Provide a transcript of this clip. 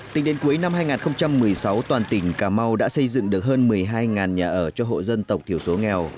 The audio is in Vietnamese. tính đến cuối năm hai nghìn một mươi sáu toàn tỉnh cà mau đã xây dựng được hơn một mươi hai nhà ở cho hộ dân tộc thiểu số nghèo